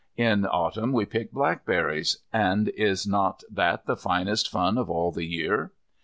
In Autumn we pick blackberries, and is not that the finest fun of all the year?